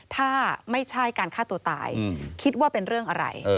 ถ้าไม่ใช่การฆ่าตัวตายคิดว่าเป็นเรื่องอะไร